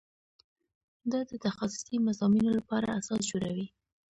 دا د تخصصي مضامینو لپاره اساس جوړوي.